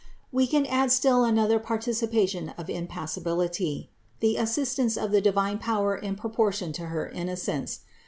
We can add still another participation of impassibility: the assistance of the divine power in proportion to her innocence.